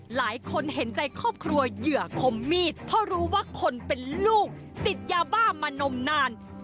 หลายคนเห็นใจครอบครัวเหยื่อคมมีดเพราะรู้ว่าคนเป็นลูกติดยาบ้ามานมนาน